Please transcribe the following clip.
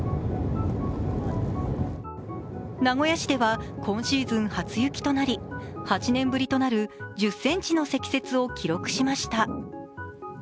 名古屋市では今シーズン初雪となり、８年ぶりとなる１０ｃｍの積雪を記録しました。